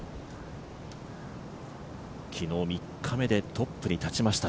昨日３日目でトップに立ちました